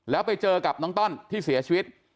แล้วไปเจอกับน้องต้อนที่เสียชีวิต